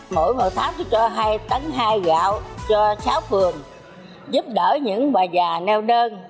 mỗi một tháng tôi cho hai tấn hai gạo cho sáu phường giúp đỡ những bà già nêu đơn